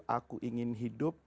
aku ingin hidup